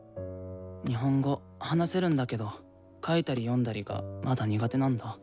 日本語話せるんだけど書いたり読んだりがまだ苦手なんだ。